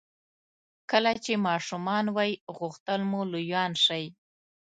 کله چې ماشومان وئ غوښتل مو لویان شئ.